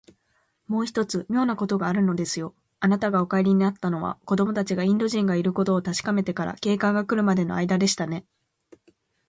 もう一つ、みょうなことがあるのですよ。あなたがお帰りになったのは、子どもたちがインド人がいることをたしかめてから、警官がくるまでのあいだでしたね。